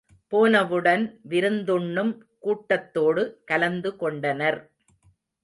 போனவுடன் விருந்துண்ணும் கூட்டத்தோடு கலந்து கொண்டனர்.